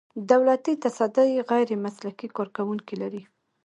دولتي تصدۍ غیر مسلکي کارکوونکي لري.